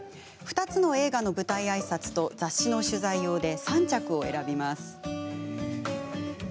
２つの映画の舞台あいさつと雑誌の取材用で３着を選びます。